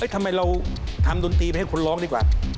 ทำไมเราทำดนตรีไปให้คนร้องดีกว่า